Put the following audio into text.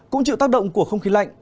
cũng chịu tác động của không khí lạnh